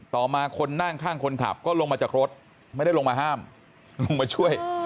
ต่อมาคนนั่งข้างคนขับก็ลงมาจากรถไม่ได้ลงมาห้ามลงมาช่วย